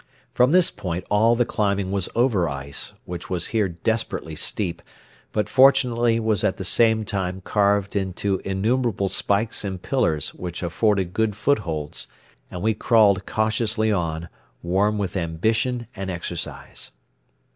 From this point all the climbing was over ice, which was here desperately steep but fortunately was at the same time carved into innumerable spikes and pillars which afforded good footholds, and we crawled cautiously on, warm with ambition and exercise.